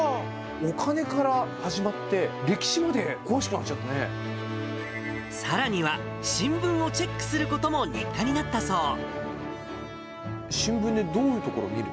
お金から始まって、さらには、新聞をチェックす新聞でどういうところ見る？